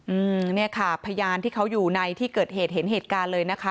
อืมเนี่ยค่ะพยานที่เขาอยู่ในที่เกิดเหตุเห็นเหตุการณ์เลยนะคะ